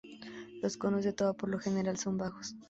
Los conos de toba por lo general son bajos.